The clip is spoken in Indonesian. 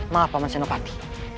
maaf paman senopati